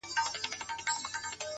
• له سرحد څخه یې حال دی را لېږلی ,